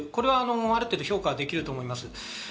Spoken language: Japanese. ある程度評価できると思います。